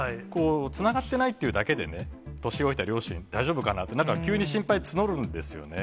つながってないっていうだけでね、年老いた両親、大丈夫かなって、なんか急に心配募るんですよね。